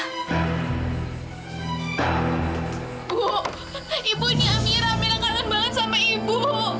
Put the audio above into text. bu ibu ini amira amira kangen banget sama ibu